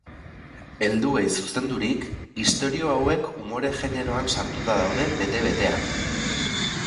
Helduei zuzendurik, istorio hauek umore generoan sartuta daude bete-betean.